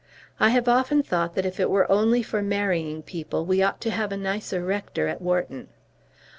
I have often thought that if it were only for marrying people we ought to have a nicer rector at Wharton.